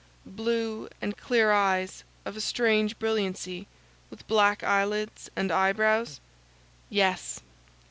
"Blue and clear eyes, of a strange brilliancy, with black eyelids and eyebrows?" "Yes."